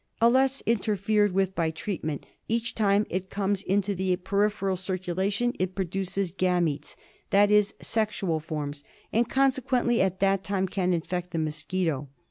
Unless interfered with by treatment, each time it comes into the peripheral circulation it produces gametes — that is, sexual forms — and consequently at that time can infect the mosquito.